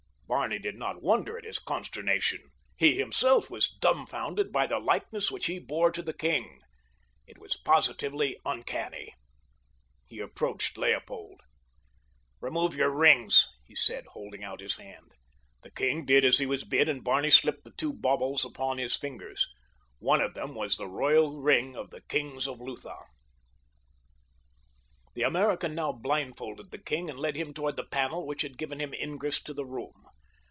Barney did not wonder at his consternation. He himself was dumbfounded by the likeness which he bore to the king. It was positively uncanny. He approached Leopold. "Remove your rings," he said, holding out his hand. The king did as he was bid, and Barney slipped the two baubles upon his fingers. One of them was the royal ring of the kings of Lutha. The American now blindfolded the king and led him toward the panel which had given him ingress to the room.